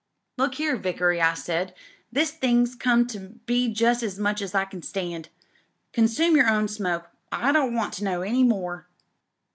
"'Look here, Vickery,' I said, 'this thing's come to be just as much as I can stand. Consume your own smoke. I don't want to know any more.'